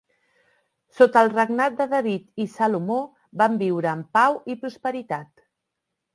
Sota els regnats de David i Salomó van viure amb pau i prosperitat.